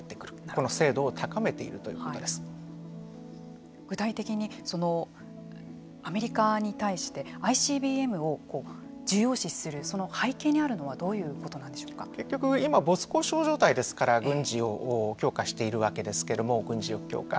この精度を高めている具体的にアメリカに対してＩＣＢＭを重要視するその背景にあるのは結局、今没交渉状態ですから軍事を強化しているわけですけれども軍事力強化。